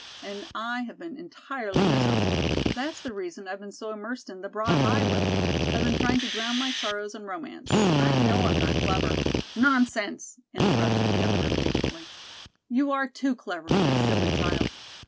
And I have been entirely miserable. That's the reason I've been so immersed in 'The Broad Highway.' I've been trying to drown my sorrows in romance. I know I'm not clever " "Nonsense," interrupted the other impatiently. "You are too clever, you silly child.